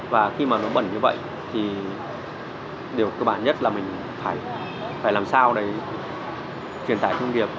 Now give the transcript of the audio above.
và khi mà nó bẩn như vậy thì điều cơ bản nhất là mình phải làm sao để truyền thải công việc